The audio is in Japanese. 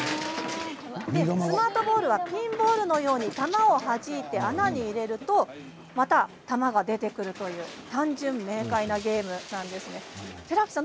スマートボールはピンボールのように球をはじいて穴に入れるとまた球が出てくるという単純明快なゲームです。